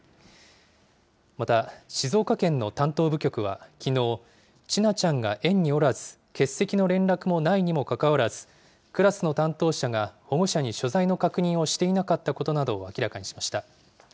また、静岡県の担当部局はきのう、千奈ちゃんが園におらず、欠席の連絡もないにもかかわらず、クラスの担当者が保護者に所在の確認をしていなかったことなどを明らかにしました。